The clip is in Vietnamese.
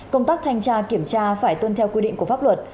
công tác thanh tra kiểm tra phải tuân theo quy định của pháp luật